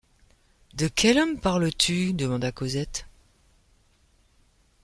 De quel homme parles-tu ? demanda Cosette.